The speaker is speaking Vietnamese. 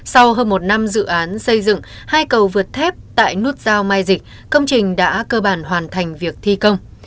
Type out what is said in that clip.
sau hơn một năm dự án xây dựng hai cầu vượt thép tại nút giao mai dịch công trình đã cơ bản hoàn thành việc thi công